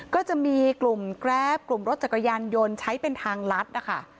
ก็จะมีกลุ่มแกรปกลุ่มรถจักรยานยนต์ใช้เป็นทางลัดนะคะ